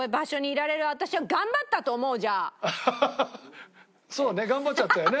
ハハハハそうね頑張っちゃったよね。